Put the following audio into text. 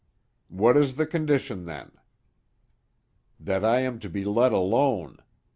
"What is the condition then?" "That I am to be let alone.